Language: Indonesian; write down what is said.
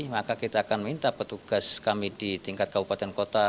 maka kita akan minta petugas kami di tingkat kabupaten kota